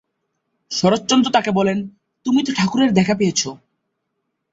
শরৎচন্দ্র তাকে বলেন, ‘তুমি তো ঠাকুরের দেখা পেয়েছো।